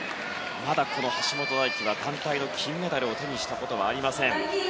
まだ橋本大輝は団体の金メダルを手にしたことはありません。